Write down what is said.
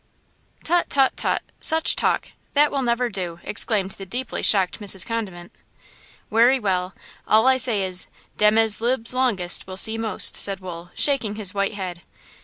"Tut! tut! tut! such talk! That will never do!" exclaimed the deeply shocked Mrs. Condiment. "Werry well! All I say is, 'Dem as libs longest will see most!' " said Wool, shaking his white head.